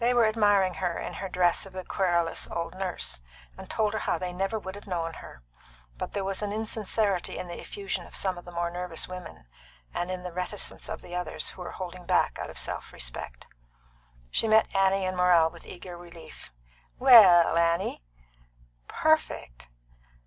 They were admiring her, in her dress of the querulous old nurse, and told her how they never would have known her. But there was an insincerity in the effusion of some of the more nervous women, and in the reticence of the others, who were holding back out of self respect. She met Annie and Morrell with eager relief. "Well, Annie?" "Perfect!"